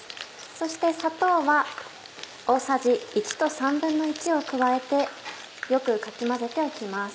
そして砂糖は大さじ１と１／３を加えてよくかき混ぜておきます。